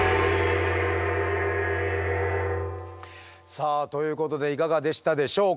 さあということでいかがでしたでしょうか？